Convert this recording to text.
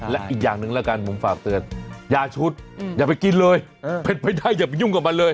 และอีกอย่างหนึ่งแล้วกันผมฝากเตือนยาชุดอย่าไปกินเลยเผ็ดไม่ได้อย่าไปยุ่งกับมันเลย